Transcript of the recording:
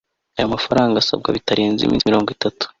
ayo mafaranga asabwa bitarenze iminsi mirongo itatu